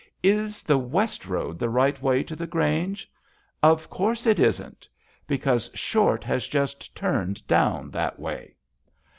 '^ Is the west road the right way to the Grange ?"" Of course it isn't." "Because Short has just turned down that way."